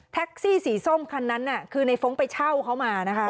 แท็กซี่สีส้มคันนั้นคือในฟงต์ไปเช่าเขามานะครับ